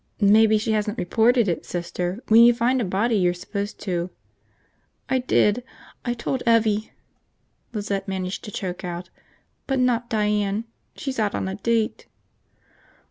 "Maybe she hasn't reported it, Sister. When you find a body you're supposed to ..." "I did, I told Evvie," Lizette managed to choke out, "but not Diane. She's out on a date!"